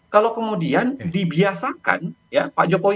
kalau kemudian dibiasakan ya pak jokowi